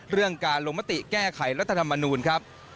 เรื่องการลงมติแก้ไขรัฐธรรมนูลครับ